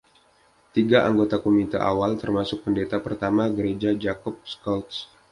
Tiga anggota komite awal termasuk pendeta pertama gereja Jacob Schultz.